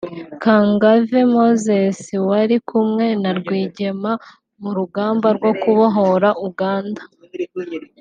Kangavve Moses wari kumwe na Rwigema mu rugamba rwo kubohora Uganda